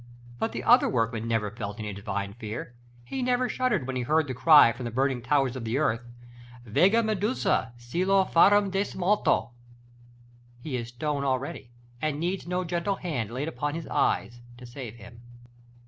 But the other workman never felt any Divine fear; he never shuddered when he heard the cry from the burning towers of the earth, "Venga Medusa; sì lo farem di smalto." He is stone already, and needs no gentle hand laid upon his eyes to save him.